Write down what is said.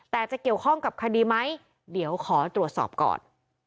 แต่จะเกี่ยวข้องกับคดีไหมเดี๋ยวขอตรวจสอบก่อน